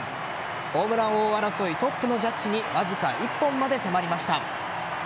ホームラン王争いトップのジャッジにわずか１本まで迫りました。